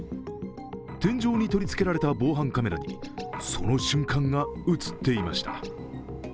天井に取り付けられた防犯カメラに、その瞬間が映っていました。